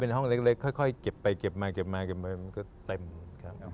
เป็นห้องเล็กค่อยเก็บไปเก็บมาเก็บมาเก็บมามันก็เต็มครับ